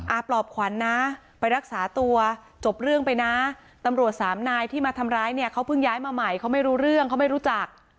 ปลอบขวัญนะไปรักษาตัวจบเรื่องไปนะตำรวจสามนายที่มาทำร้ายเนี่ยเขาเพิ่งย้ายมาใหม่เขาไม่รู้เรื่องเขาไม่รู้จัก